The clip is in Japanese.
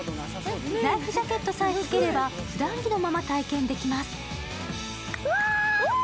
ライフジャケットさえ着ければふだん着のまま体験できます。